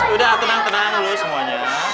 udah tenang tenang dulu semuanya